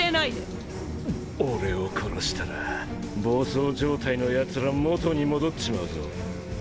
俺を殺したら暴走状態の奴ら元に戻っちまうぞ？